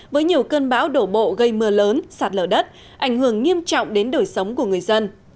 với nhiều cơn bão đổ bộ gây mưa lớn sạt lở đất ảnh hưởng nghiêm trọng đến đời sống của người dân